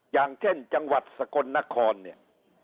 อย่างเช่นจังหวัดสกลนครเนี่ย